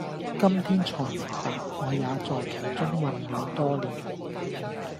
今天纔明白，我也在其中混了多年；